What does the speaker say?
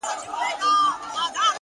د يوسفي ښکلا چيرمنې نوره مه راگوره”